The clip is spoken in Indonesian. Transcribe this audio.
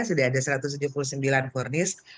sudah ada satu ratus tujuh puluh sembilan fornis